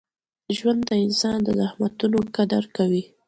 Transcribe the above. ژوند د انسان د زحمتونو قدر کوي.